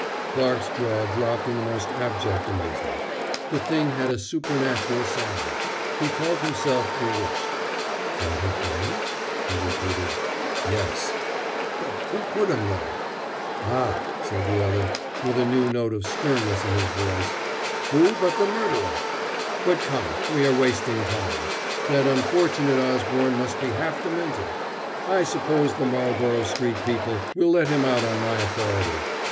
Clarke's jaw dropped in the most abject amazement. The thing had a supernatural sound. He felt himself bewitched. "From her grave?" he repeated. "Yes." "But who put 'em there?" "Ah," said the other with a new note of sternness in his voice, "who but the murderer? But come, we are wasting time that unfortunate Osborne must be half demented. I suppose the Marlborough Street people will let him out on my authority.